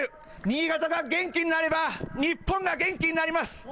新潟が元気になれば日本が元気になります。